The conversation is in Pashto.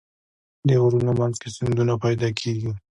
د غرونو منځ کې سیندونه پیدا کېږي.